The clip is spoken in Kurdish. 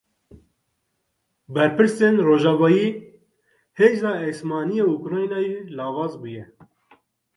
Berpirsên Rojavayî: Hêza esmanî ya Ukraynayê lawaz bûye.